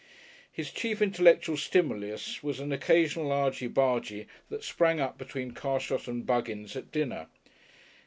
His chief intellectual stimulus was an occasional argey bargey that sprang up between Carshot and Buggins at dinner.